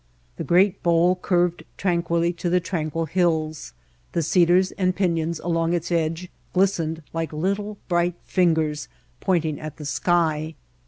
The great bowl curved tranquilly to the tranquil hills, the cedars and piiions along its edge glistened like little bright fingers point ing at the sky.